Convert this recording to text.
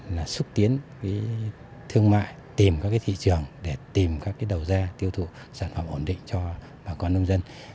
là xúc tiến thương mại tìm các thị trường để tìm các đầu ra tiêu thụ sản phẩm ổn định cho bà con nông dân